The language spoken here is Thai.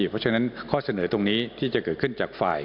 เพราะฉะนั้นข้อเสนอตรงนี้ที่จะเกิดขึ้นจากฝ่าย